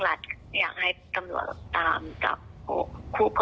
แล้วอย่าให้เขาว่ารับผิดชอบส่วนเนี่ย